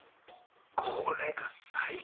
これが最高。